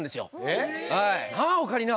えっ？なあオカリナ。